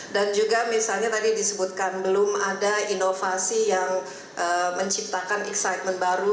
dan juga misalnya tadi disebutkan belum ada inovasi yang menciptakan excitement baru